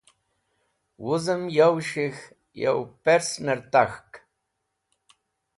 Wuzẽm yo s̃hik̃h yo pẽsnẽr takh.